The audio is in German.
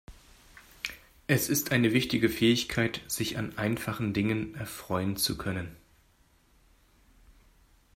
Es ist eine wichtige Fähigkeit, sich an einfachen Dingen erfreuen zu können.